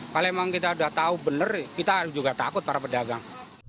kalau memang kita sudah tahu benar kita juga takut para pedagang